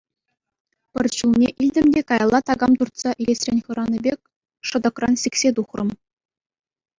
Пӗр чулне илтӗм те каялла такам туртса илесрен хӑранӑ пек шӑтӑкран сиксе тухрӑм.